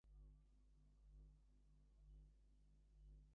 Vardanyan, Vardanian, and Vartanian are also common Armenian family names.